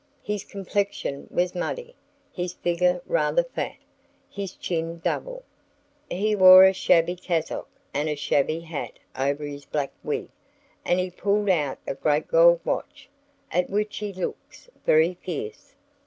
His complexion was muddy, his figure rather fat, his chin double. He wore a shabby cassock, and a shabby hat over his black wig, and he pulled out a great gold watch, at which he looks very fierce.